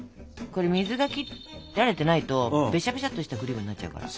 これ水が切られてないとベシャベシャッとしたクリームになっちゃうから。